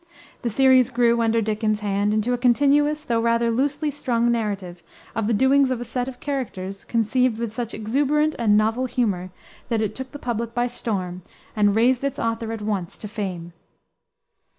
The series grew, under Dickens's hand, into a continuous, though rather loosely strung narrative of the doings of a set of characters, conceived with such exuberant and novel humor that it took the public by storm, and raised its author at once to fame.